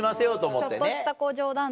ちょっとした冗談とか。